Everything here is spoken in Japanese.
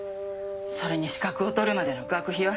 それに資格を取るまでの学費は？